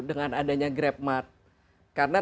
dengan adanya grab mart karena